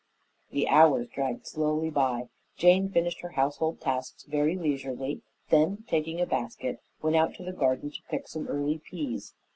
The hours dragged slowly by; Jane finished her household tasks very leisurely, then taking a basket, went out to the garden to pick some early peas.